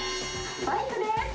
バイクです。